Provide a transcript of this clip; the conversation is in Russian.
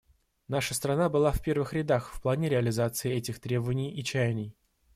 Наша страна была в первых рядах в плане реализации этих требований и чаяний.